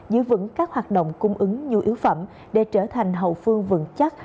giữ vững các hoạt động cung ứng nhu yếu phẩm để trở thành hậu phương vững chắc